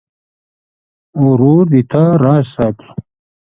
ورور د تا راز ساتي.